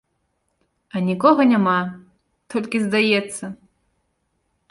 А нікога няма, толькі здаецца.